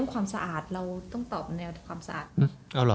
ปิ่งวัฏเรื่องความสะอาด